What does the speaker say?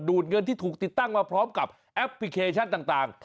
ดเงินที่ถูกติดตั้งมาพร้อมกับแอปพลิเคชันต่าง